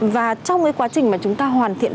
và trong quá trình mà chúng ta hoàn thiện